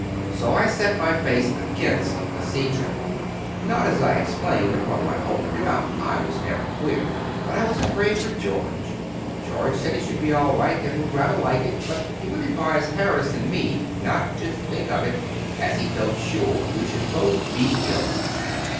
So I set my face against the sea trip. Not, as I explained, upon my own account. I was never queer. But I was afraid for George. George said he should be all right, and would rather like it, but he would advise Harris and me not to think of it, as he felt sure we should both be ill.